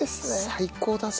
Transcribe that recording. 最高だぜ。